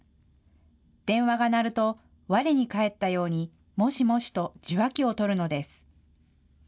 電話が鳴るとわれに返ったようにもしもしと受話器を取るのです。